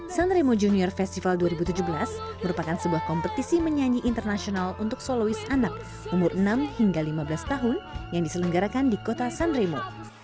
sanremo junior festival dua ribu tujuh belas merupakan sebuah kompetisi menyanyi internasional untuk solois anak umur enam hingga lima belas tahun yang diselenggarakan di kota sanremo